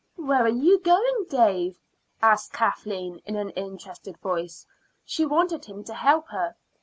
"Where are you going, Dave?" asked Kathleen in an interested voice. She wanted him to help her.